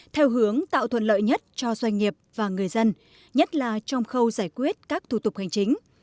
theo hướng tạo thuận lợi nhất cho doanh nghiệp và người dân nhất là trong khâu giải quyết các thủ tục hành chính